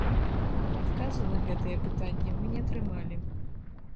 Адказу на гэтае пытанне мы не атрымалі.